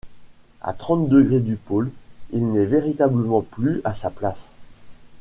À trente degrés du pôle, il n’est véritablement plus à sa place!